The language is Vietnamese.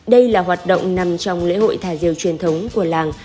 đây là hoạt động nằm trong lễ hội thả diều truyền thống của làng